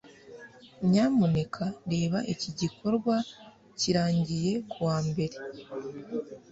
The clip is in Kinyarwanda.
nyamuneka reba iki gikorwa kirangiye kuwa mbere